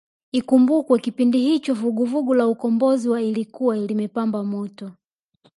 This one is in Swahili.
Ikumbukwe kipindi hicho vuguvugu la Ukombozi wa lilikuwa limepamba moto